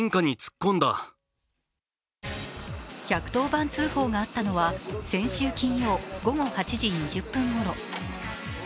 １１０番通報があったのは先週金曜午後８時２０分ごろ。